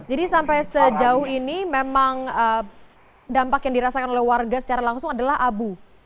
jadi sampai sejauh ini memang dampak yang dirasakan oleh warga secara langsung adalah abu